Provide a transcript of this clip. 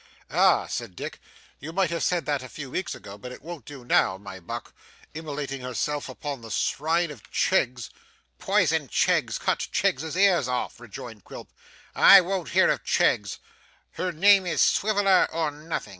'Ah!' said Dick, 'you might have said that a few weeks ago, but it won't do now, my buck. Immolating herself upon the shrine of Cheggs ' 'Poison Cheggs, cut Cheggs's ears off,' rejoined Quilp. 'I won't hear of Cheggs. Her name is Swiveller or nothing.